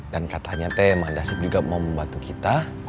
dan katanya teh emang dasip juga mau membantu kita